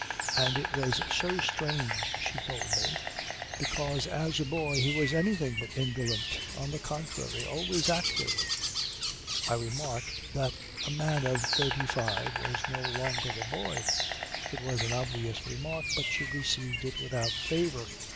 And it was so strange, she told me, because as a boy he was anything but indolent. On the contrary. Always active. I remarked that a man of thirty five was no longer a boy. It was an obvious remark but she received it without favour.